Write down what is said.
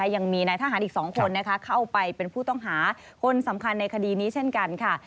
ยังมีนายทหารอีก๒คนเข้าไปเป็นผู้ต้องหาคนสำคัญในคดีนี้เช่นกันค่ะ